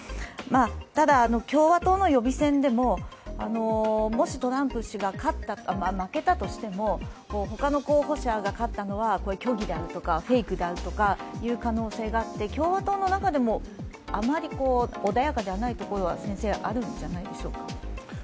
ただ、共和党の予備選でももしトランプ氏が負けたとしてもほかの候補者が勝ったのは虚偽であるとか、フェイクであると言う可能性があって、共和党の中でもあまり穏やかでないところもあるんじゃないでしょうか？